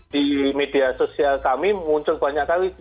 di media sosial kami muncul banyak kali